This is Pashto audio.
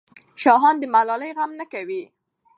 شاهان د ملالۍ غم نه کوي.